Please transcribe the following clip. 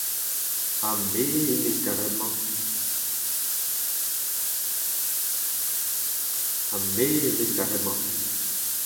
Ha me e-mesk ar re-mañ.